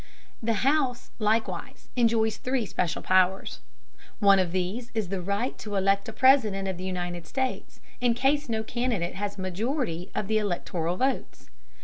The House likewise enjoys three special powers. One of these is the right to elect a President of the United States in case no candidate has a majority of the electoral votes.